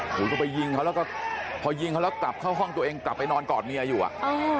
ผมก็ไปยิงเขาแล้วก็พอยิงเขาแล้วกลับเข้าห้องตัวเองกลับไปนอนกอดเมียอยู่อ่ะ